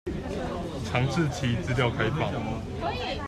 強制其資料開放